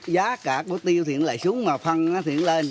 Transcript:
giá cả của tiêu thì nó lại xuống mà phân thì nó lên